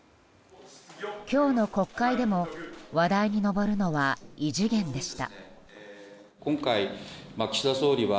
今日の国会でも話題に上るのは異次元でした。